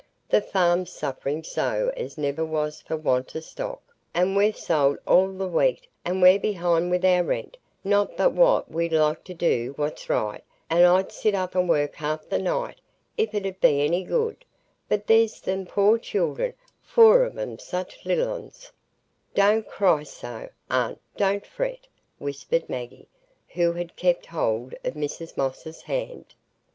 The farm's suffering so as never was for want o' stock; and we've sold all the wheat, and we're behind with our rent,—not but what we'd like to do what's right, and I'd sit up and work half the night, if it 'ud be any good; but there's them poor children,—four of 'em such little uns——" "Don't cry so, aunt; don't fret," whispered Maggie, who had kept hold of Mrs Moss's hand.